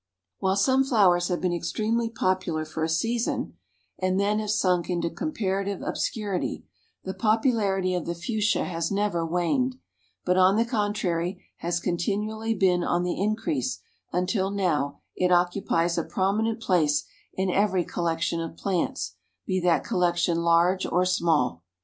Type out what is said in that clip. While some flowers have been extremely popular for a season, and then have sunk into comparative obscurity, the popularity of the Fuchsia has never waned, but on the contrary has continually been on the increase until now it occupies a prominent place in every collection of plants, be that collection large or small.